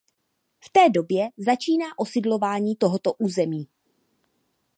V té době začíná osidlování tohoto území.